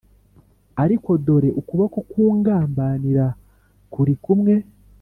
Ariko dore ukuboko k ungambanira kuri kumwe